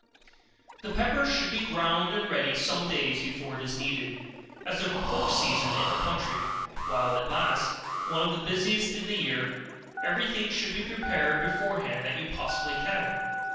The pepper should be ground and ready some days before it is needed, as the pork season in the country is (while it lasts) one of the busiest in the year, every thing should be prepared beforehand that you possibly can.